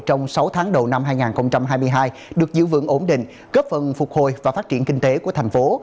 trong sáu tháng đầu năm hai nghìn hai mươi hai được giữ vững ổn định góp phần phục hồi và phát triển kinh tế của thành phố